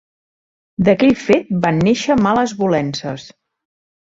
D'aquell fet van néixer males volences.